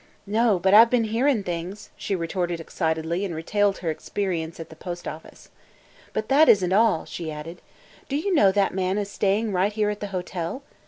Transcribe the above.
"No, but I 've been hearin' things!" she retorted excitedly and retailed her experience in the post office. "But that is n't all," she added. "Do you know that man is staying right here at the hotel!